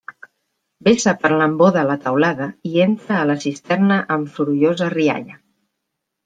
Vessa per l'embó de la teulada i entra a la cisterna amb sorollosa rialla.